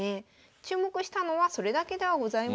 注目したのはそれだけではございません。